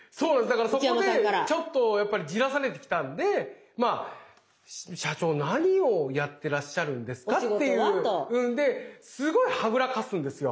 だからそこでちょっとじらされてきたんで「社長何をやってらっしゃるんですか」っていうんですごいはぐらかすんですよ。